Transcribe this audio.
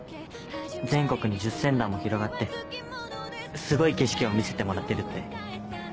全国に１０船団も広がってすごい景色を見せてもらってるって。